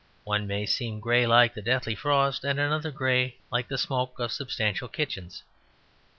One may seem grey like the deathly frost, and another grey like the smoke of substantial kitchens.